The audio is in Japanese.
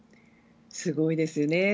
すごいですね。